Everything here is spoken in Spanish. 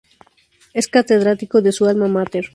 Es catedrático de su alma máter.